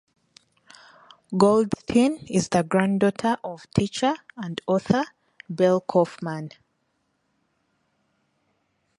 Goldstine is the granddaughter of teacher and author Bel Kaufman.